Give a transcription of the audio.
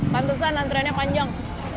pantusan antrennya panjang